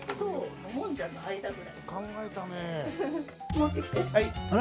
持ってきて。